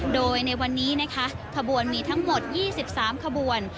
โดยในวันนี้นะคะขบวนมีทั้งหมด๒๓ขบวน